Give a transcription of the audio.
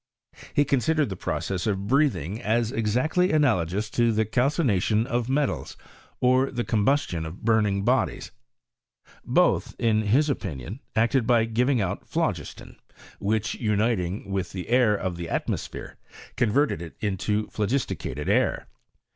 He considered the process of breathing as exactly analogous to the calcination of metals, or the coio bustion of burning bodies. Both, in his opinion acted by giving out phlogiston; which, uniting witb PI100RES3 or CQEMISTRT IN 1 the air of tlie atmosphere, converted it into phlo gisticated air.